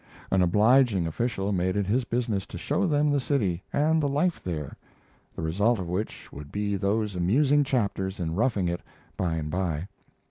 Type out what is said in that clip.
An obliging official made it his business to show them the city and the life there, the result of which would be those amusing chapters in 'Roughing It' by and by.